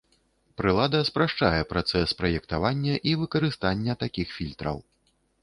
Прылада спрашчае працэс праектавання і выкарыстання такіх фільтраў.